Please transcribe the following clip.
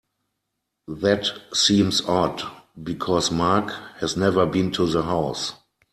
That seems odd because Mark has never been to the house.